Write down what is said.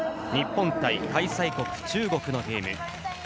日本対開催国・中国のゲーム。